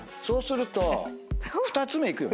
そうすると。